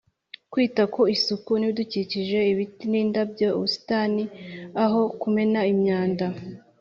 kwita ku isuku n’ibidukikije ibiti n’indabo, ubusitani, aho kumena imyanda